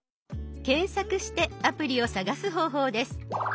検索してアプリを探す方法です。